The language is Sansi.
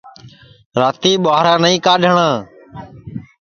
راتی ٻُہارا نائیں کڈؔھٹؔاں